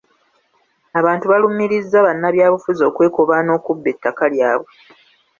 Abantu baalumirizza bannabyabufuzi okwekobaana okubba ettaka lyabwe.